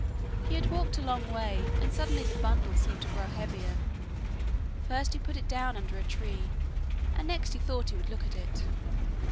He had walked a long way and suddenly the bundle seemed to grow heavier; first he put it down under a tree, and next he thought he would look at it.